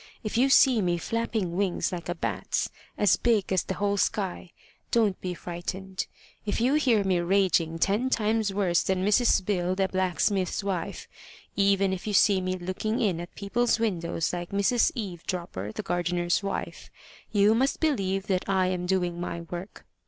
If you see me flapping wings like a bat's, as big as the whole sky, don't be frightened. If you hear me raging ten times worse than Mrs. Bill, the blacksmith's wife even if you see me looking in at people's windows like Mrs. Eve Dropper, the gardener's wife you must believe that I am doing my work.